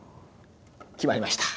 決まりました。